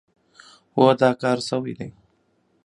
هو، دا کار شوی دی.